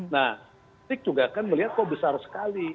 nah tik juga kan melihat kok besar sekali